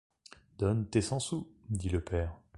Donne tes cent sous, dit le père.